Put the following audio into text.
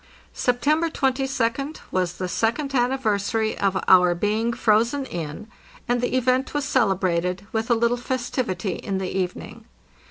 September 22d was the second anniversary of our being frozen in, and the event was celebrated with a little festivity in the evening.